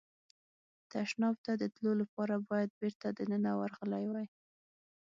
تشناب ته د تلو لپاره باید بېرته دننه ورغلی وای.